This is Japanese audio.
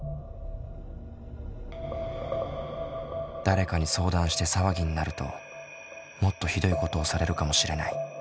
誰かに相談して騒ぎになるともっと酷いことをされるかもしれない。